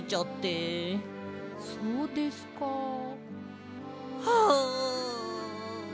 そうですか。はあ。